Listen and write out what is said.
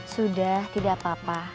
sudah tidak apa apa